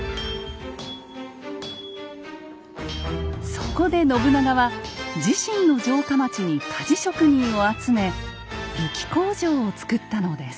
そこで信長は自身の城下町に鍛冶職人を集め武器工場をつくったのです。